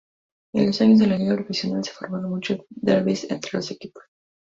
En los años de la Liga Profesional se formaron muchos derbis entre los equipos.